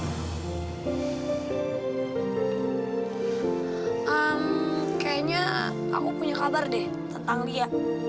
ehm kayaknya aku punya kabar deh tentang lia